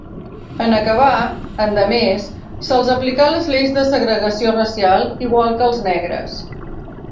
En acabar, endemés, se'ls aplicà les lleis de segregació racial igual que als negres.